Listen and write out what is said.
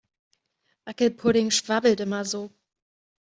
Wackelpudding schwabbelt immer so.